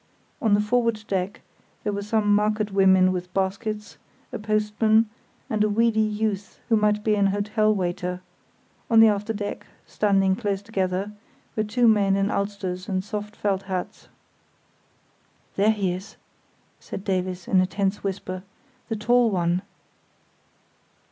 On the forward deck there were some market women with baskets, a postman, and a weedy youth who might be an hotel waiter; on the after deck, standing close together, were two men in ulsters and soft felt hats. "There he is!" said Davies, in a tense whisper; "the tall one."